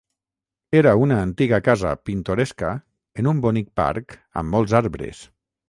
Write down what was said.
Era una antiga casa pintoresca en un bonic parc amb molts arbres.